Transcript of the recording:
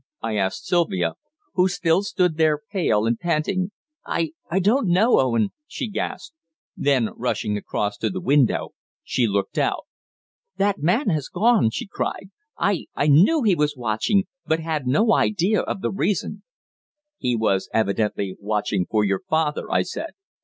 I asked Sylvia, who still stood there pale and panting. "I I don't know, Owen," she gasped. Then, rushing across to the window, she looked out. "That man has gone!" she cried. "I I knew he was watching, but had no idea of the reason." "He was evidently watching for your father," I said.